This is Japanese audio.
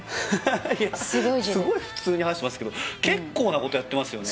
いやすごい普通に話してますけど結構なことやってますよね